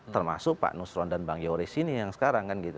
termasuk pak nusron dan bang yoris ini yang sekarang